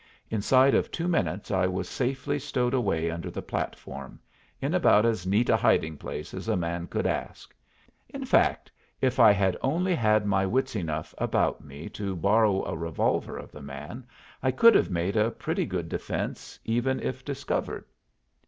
Inside of two minutes I was safely stowed away under the platform, in about as neat a hiding place as a man could ask. In fact, if I had only had my wits enough about me to borrow a revolver of the man, I could have made a pretty good defence, even if discovered.